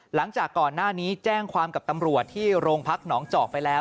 หลังจากก่อนหน้านี้แจ้งความกับตำรวจที่โรงพักหนองจอกไปแล้ว